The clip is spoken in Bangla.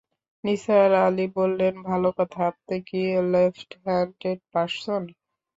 নিসার আলি বললেন, ভালো কথা, আপনি কি লেফট হ্যানডেড পার্সন?